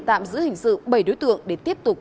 tạm giữ hình sự bảy đối tượng để tiếp tục